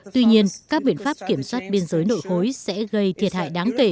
tuy nhiên các biện pháp kiểm soát biên giới nội khối sẽ gây thiệt hại đáng kể